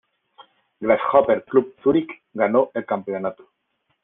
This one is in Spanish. Grasshopper Club Zürich ganó el campeonato.